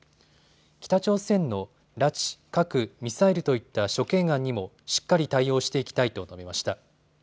北朝鮮の拉致、核・ミサイルといった諸懸案にもしっかり対応していきたいと述べました。